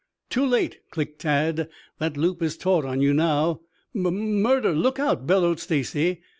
"Too late!" clicked Tad. "That loop is taut on you now!" "M m murder! Look out!" bellowed Stacy.